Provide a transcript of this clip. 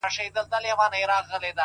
وړونه مي ټول د ژوند پر بام ناست دي!